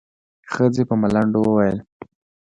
ښځې په ملنډو وويل.